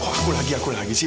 aku lagi aku lagi sih